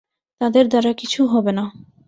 তাঁদের দ্বারা কিছু হবে না।